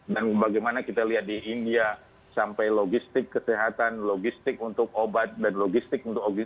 dan bagaimana kita lihat di india sampai logistik kesehatan logistik untuk obat logistik untuk oksigen